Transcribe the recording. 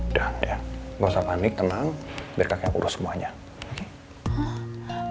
udah udah gak usah panik tenang biar kakak urus semuanya oke